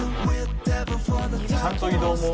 「ちゃんと移動も」